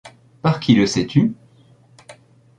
Par qui le sais-tu ?